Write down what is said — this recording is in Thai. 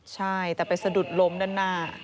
ใช่แต่ไปสะดุดล้มด้านหน้า